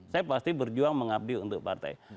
saya pasti berjuang mengabdi untuk partai